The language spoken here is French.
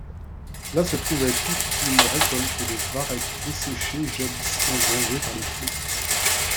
Là se trouvait toute une récolte de varech desséché, jadis engrangée par les flots.